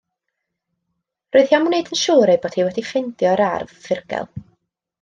Roedd hi am wneud yn siŵr ei bod hi wedi ffeindio'r ardd ddirgel.